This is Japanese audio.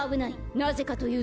なぜかというと。